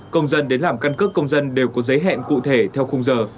công dân đến làm căn cứ công dân đều có giấy hẹn cụ thể theo khung giờ